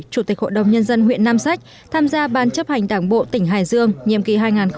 chủ tịch hội đồng nhân dân huyện nam sách tham gia ban chấp hành đảng bộ tỉnh hải dương nhiệm kỳ hai nghìn một mươi sáu hai nghìn hai mươi một